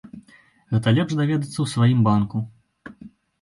Гэта лепш даведацца ў сваім банку.